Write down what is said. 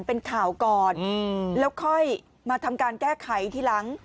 เป็นข่าวก่อนแล้วค่อยมาทำการแก้ไขทีหลัง